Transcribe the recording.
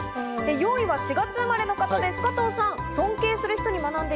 ４位は４月生まれの方です、加藤さん。